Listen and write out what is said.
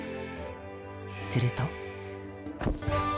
すると。